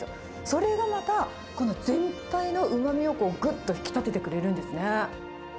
それがまた、この全体のうまみをぐっと引き立ててくれるんですね。